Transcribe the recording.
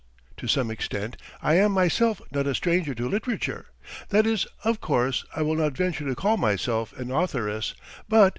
To some extent I am myself not a stranger to literature that is, of course ... I will not venture to call myself an authoress, but